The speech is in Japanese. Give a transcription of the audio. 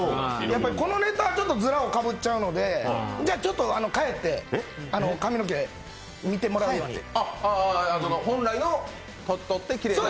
やっぱりこのネタはズラをかぶっちゃうので、じゃ、ちょっと帰って髪の毛見てもらえるように。